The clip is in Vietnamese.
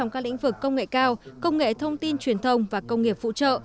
trong các lĩnh vực công nghệ cao công nghệ thông tin truyền thông và công nghiệp phụ trợ